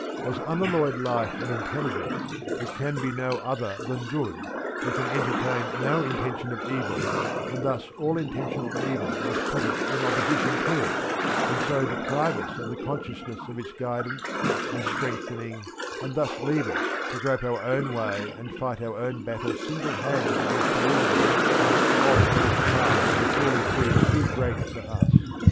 As unalloyed Life and Intelligence it can be no other than good, it can entertain no intention of evil, and thus all intentional evil must put us in opposition to it, and so deprive us of the consciousness of its guidance and strengthening and thus leave us to grope our own way and fight our own battle single handed against the universe, odds which at last will surely prove too great for us.